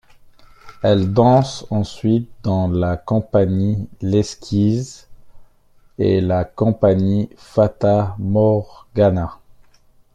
Elle danse ensuite dans la Compagnie l’Esquisse et la Compagnie Fata Morgana.